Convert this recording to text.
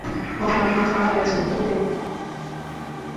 বোমায় অনেক মানুষ মারা গেছে, টিভিতে মানুষের কান্নার দৃশ্যটা কখনো ভুলব না।